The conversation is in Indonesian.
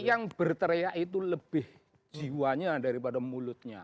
yang berteriak itu lebih jiwanya daripada mulutnya